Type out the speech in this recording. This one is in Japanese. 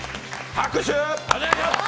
拍手！